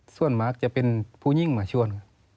ส่วนมากจะเป็นผู้ยิ่งมาชวน